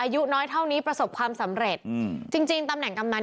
อายุน้อยเท่านี้ประสบความสำเร็จอืมจริงจริงตำแหนกำนัน